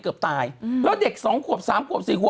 คุณหนุ่มกัญชัยได้เล่าใหญ่ใจความไปสักส่วนใหญ่แล้ว